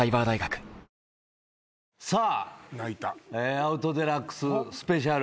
『アウト×デラックス』スペシャル。